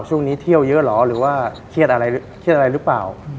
ช่วงนี้เที่ยวเยอะหรอหรือว่าเครียดอะไรรึเปล่า